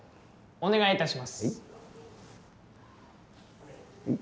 お願いいたします。